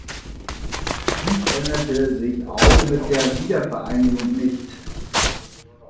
Dies änderte sich auch mit der Wiedervereinigung nicht.